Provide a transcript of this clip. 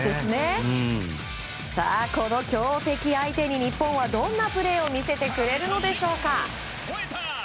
さあ、この強敵相手に日本はどんなプレーを見せてくれるのでしょうか。